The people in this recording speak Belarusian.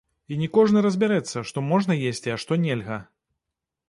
І не кожны разбярэцца, што можна есці, а што нельга.